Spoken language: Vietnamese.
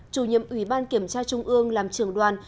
chủ nhiệm ủy ban kiểm tra trung ương làm trưởng đoàn